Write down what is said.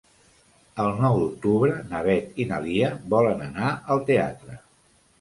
El nou d'octubre na Beth i na Lia volen anar al teatre.